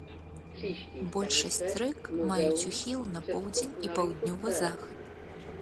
Большасць рэк маюць ухіл на поўдзень і паўднёвы захад.